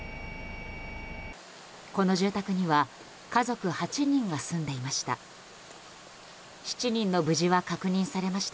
この住宅には家族８人が住んでいました。